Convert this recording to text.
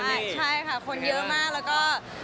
ใช่ค่ะคนเยอะมากแล้วก็